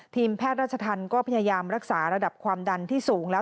ทีมแพทย์ราชธรรมก็พยายามรักษาระดับความดันที่สูงแล้ว